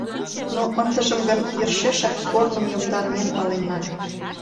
но ындыжым гын, йӧршешак корным йомдарымем пален нальым;